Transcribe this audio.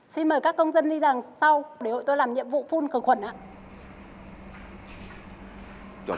xin mời các công dân đi đằng sau để hội tôi làm nhiệm vụ phun cửa khuẩn ạ